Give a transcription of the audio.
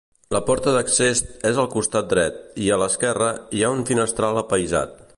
La porta d'accés és al costat dret i a l'esquerra hi ha un finestral apaïsat.